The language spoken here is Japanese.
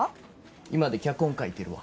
居間で脚本書いてるわ。